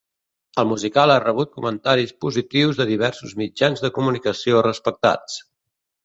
El musical ha rebut comentaris positius de diversos mitjans de comunicació respectats.